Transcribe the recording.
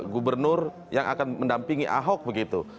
gubernur yang akan mendampingi ahok begitu